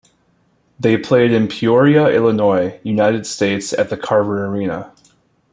They played in Peoria, Illinois, United States at the Carver Arena.